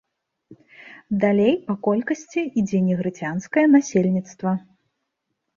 Далей па колькасці ідзе негрыцянскае насельніцтва.